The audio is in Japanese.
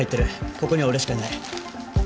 ここには俺しかいない。